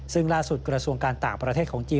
ซึ่งล่าสุดกระทรวงการต่างประเทศของจีน